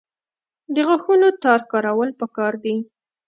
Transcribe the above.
د غاښونو تار کارول پکار دي